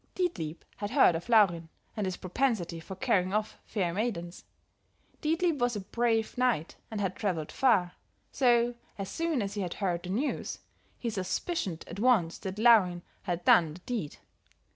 "Dietlieb had heard of Laurin and his propensity for carrying off fair maidens; Dietlieb was a brave knight and had traveled far, so, as soon as he heard the news, he suspicioned at once that Laurin had done the deed.